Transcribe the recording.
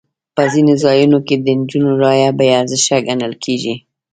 په ځینو ځایونو کې د نجونو رایه بې ارزښته ګڼل کېږي.